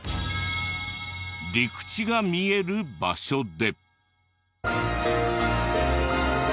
陸地が見える場所で。